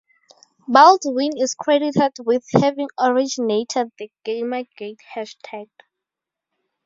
Baldwin is credited with having originated the GamerGate hashtag.